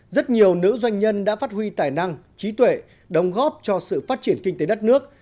rất nhiều nữ doanh nhân đã phát huy tài năng trí tuệ đóng góp cho sự phát triển kinh tế đất nước